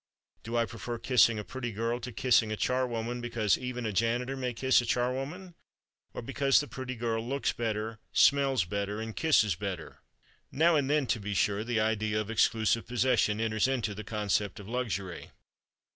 Do I prefer kissing a pretty girl to kissing a charwoman because even a janitor may kiss a charwoman—or because the pretty girl looks better, smells better and kisses better? Now and then, to be sure, the idea of exclusive possession enters into the concept of luxury.